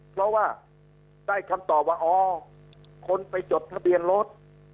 เพราะว่าได้คำตอบว่าอ๋อคนไปจดทะเบียนรถ